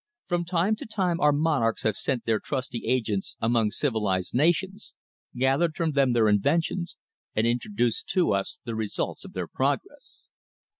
From time to time our monarchs have sent their trusty agents among civilized nations, gathered from them their inventions, and introduced to us the results of their progress.